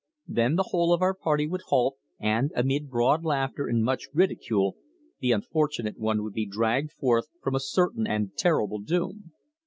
Then the whole of our party would halt and, amid broad laughter and much ridicule, the unfortunate one would be dragged forth from a certain and terrible doom.